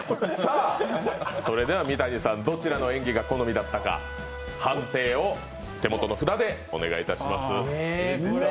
三谷さん、どちらの演技が好みだったか判定を手元の札でお願いします。